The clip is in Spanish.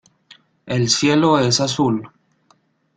El cielo es azul.